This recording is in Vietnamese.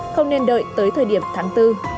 không nên đợi tới thời điểm tháng bốn